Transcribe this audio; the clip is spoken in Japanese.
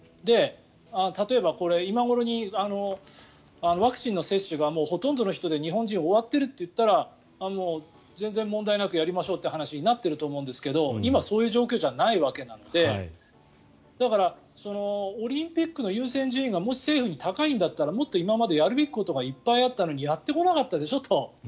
例えば、今頃ワクチンの接種がほとんどの人で日本人、終わっているといったら全然問題なくやりましょうという話になっていると思いますが今、そういう状況じゃないわけなのでだから、オリンピックの優先順位が政府の中で高いんだったらもっと今までやるべきことがいっぱいあったのにやってこなかったでしょと。